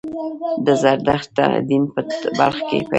د زردشت دین په بلخ کې پیدا شو